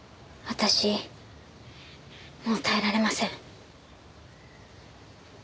私もう耐えられません。